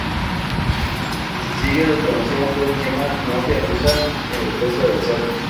El sencillo de promoción fue el tema "Mafia rusa en la Costa del Sol".